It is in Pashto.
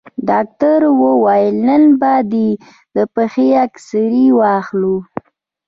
ډاکتر وويل نن به دې د پښې اكسرې واخلو.